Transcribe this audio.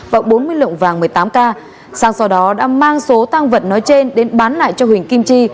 và bốn mươi lượng vàng một mươi tám k sang sau đó đã mang số tăng vật nói trên đến bán lại cho huỳnh kim chi